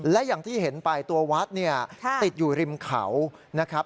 และอย่างที่เห็นไปตัววัดติดอยู่ริมเขา